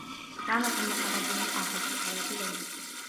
كان ثمّة رجل آخر في حياة ليلى.